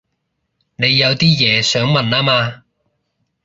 你有啲嘢想問吖嘛